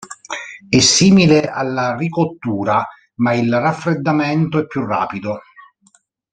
È simile alla ricottura, ma il raffreddamento è più rapido.